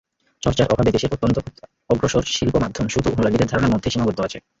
চর্চার অভাবে দেশের অত্যন্ত অগ্রসর শিল্পমাধ্যম শুধু অনুরাগীদের ধারণার মধ্যেই সীমাবদ্ধ আছে।